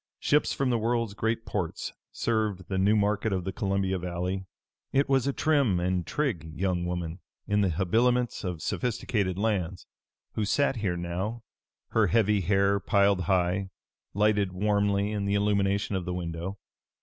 Ships from the world's great ports served the new market of the Columbia Valley. It was a trim and trig young woman in the habiliments of sophisticated lands who sat here now, her heavy hair, piled high, lighted warmly in the illumination of the window.